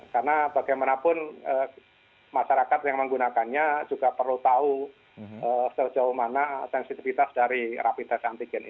karena bagaimanapun masyarakat yang menggunakannya juga perlu tahu sejauh mana sensitivitas dari rapi tes